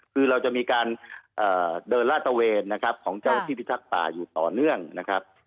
คือเราจะมีการเดินลาดตะเวนนะครับของเจ้าที่พิทักษ์ป่าอยู่ต่อเนื่องนะครับ